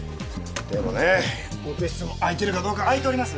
オペ室も空いてるかどうか空いております